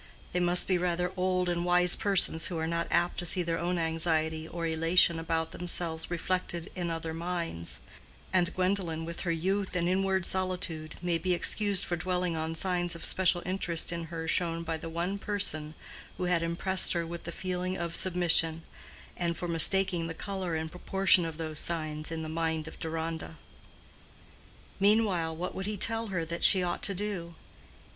They must be rather old and wise persons who are not apt to see their own anxiety or elation about themselves reflected in other minds; and Gwendolen, with her youth and inward solitude, may be excused for dwelling on signs of special interest in her shown by the one person who had impressed her with the feeling of submission, and for mistaking the color and proportion of those signs in the mind of Deronda. Meanwhile, what would he tell her that she ought to do?